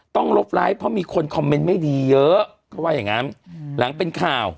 ต้องลบไลค์เพราะมีคนคอมเมนต์ไม่ดีเยอะเขาว่าอย่างงั้นหลังเป็นข่าว